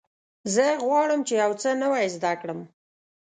زه غواړم چې یو څه نوی زده کړم.